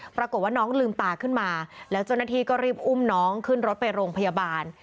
ปรากฏว่าน้องลืมตาขึ้นมาแล้วเจ้าหน้าที่ก็รีบอุ้มน้องขึ้นรถไปโรงพยาบาล